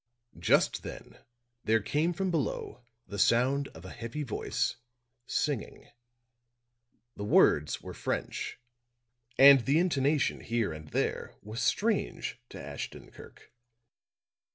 Just then there came from below the sound of a heavy voice, singing. The words were French and the intonation here and there was strange to Ashton Kirk.